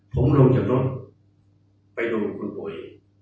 ผมลงจากรถไปดูคนโปรย